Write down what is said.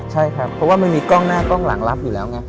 ใช่ครับเพราะว่ามันมีกล้องหน้ากล้องหลังรับอยู่แล้วไง